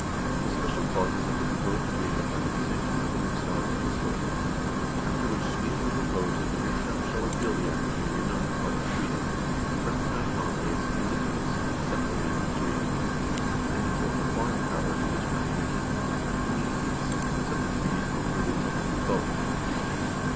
The special clauses of the proposed agreement are to be sanctioned by the Riksdag and the Storthing, after which Sweden will propose that the Riksdag shall repeal the Act of Union on the part of Sweden* and recognise Norway as an independent State separated from Sweden, and inform the Foreign Powers of this recognition and communicate the sub stance of the treaties concluded in the name of both.